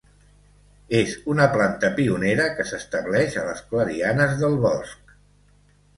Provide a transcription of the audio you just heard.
És una planta pionera que s'estableix a les clarianes del bosc.